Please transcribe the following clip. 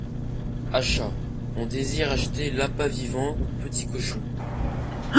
Achat., On désire acheter lapins vivants ou petits cochons.